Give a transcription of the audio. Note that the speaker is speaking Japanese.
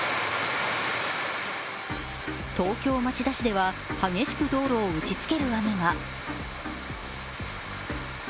東京・町田市では激しく道路を打ちつける雨が。